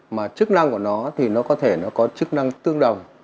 mà chức năng của nó thì nó có thể nó có chức năng tương đồng